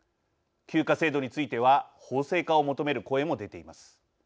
休暇制度については法制化を求める声も出ています。